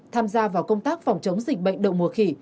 tham gia vào công tác phòng chống dịch bệnh đậu mùa khỉ